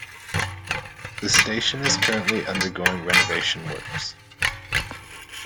The station is currently undergoing renovation works.